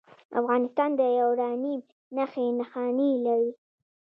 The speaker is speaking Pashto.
افغانستان د یورانیم نښې نښانې لري